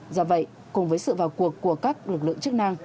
do vậy cùng với sự vào cuộc của các lực lượng chức năng